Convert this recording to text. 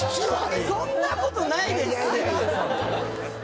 そんなことないですって。